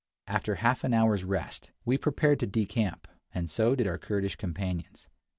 After half an hour's rest, we prepared to decamp, and so did our Kurdish companions.